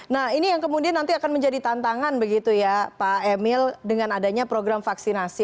nah ini yang kemudian nanti akan menjadi tantangan begitu ya pak emil dengan adanya program vaksinasi